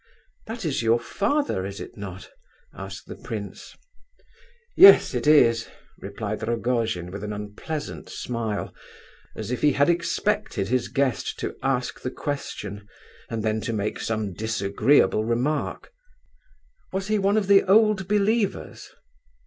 "That is your father, is it not?" asked the prince. "Yes, it is," replied Rogojin with an unpleasant smile, as if he had expected his guest to ask the question, and then to make some disagreeable remark. "Was he one of the Old Believers?"